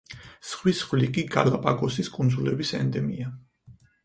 ზღვის ხვლიკი გალაპაგოსის კუნძულების ენდემია.